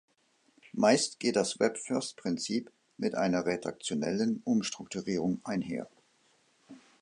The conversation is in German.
Meist geht das Web-First-Prinzip mit einer redaktionellen Umstrukturierung einher.